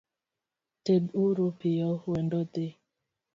Ted uru piyo wendo dhi.